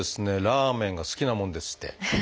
ラーメンが好きなもんでして。